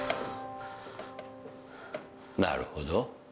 なるほど。